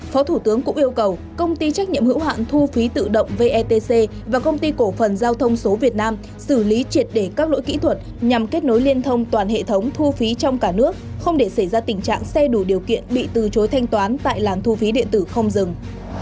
phó thủ tướng cũng yêu cầu công ty trách nhiệm hữu hạn thu phí tự động vetc và công ty cổ phần giao thông số việt nam xử lý triệt để các lỗi kỹ thuật nhằm kết nối liên thông toàn hệ thống thu phí trong cả nước không để xảy ra tình trạng xe đủ điều kiện bị từ chối thanh toán tại làn thu phí điện tử không dừng